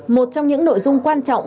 một trong những nội dung quan trọng